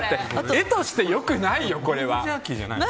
画としてよくないよ、これ。